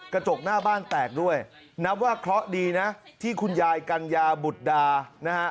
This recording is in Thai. กระจกหน้าบ้านแตกด้วยนับว่าเคราะห์ดีนะที่คุณยายกัญญาบุตรดานะฮะ